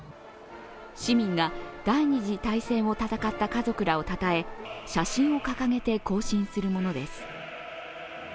市民が第二次大戦を戦った家族らをたたえ、写真を掲げて行進するものです。